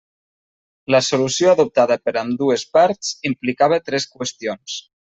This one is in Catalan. La solució adoptada per ambdues parts implicava tres qüestions.